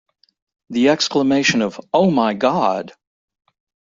The exclamation of Oh my God!